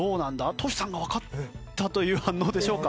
トシさんがわかったという反応でしょうか？